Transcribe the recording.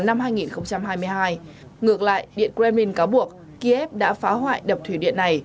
năm hai nghìn hai mươi hai ngược lại điện kremlin cáo buộc kiev đã phá hoại đập thủy điện này